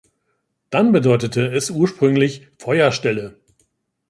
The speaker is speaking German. Dann bedeutete es ursprünglich „Feuerstelle“.